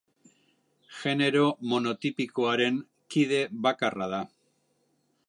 Genero monotipikoaren kide bakarra da.